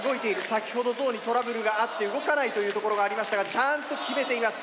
先ほどゾウにトラブルがあって動かないという所がありましたがちゃんと決めています。